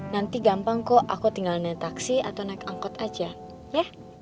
nanti gampang kok aku tinggal naik taksi atau naik angkot aja deh